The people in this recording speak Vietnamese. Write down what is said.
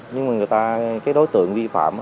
nhưng mà người ta cái đối tượng vi phạm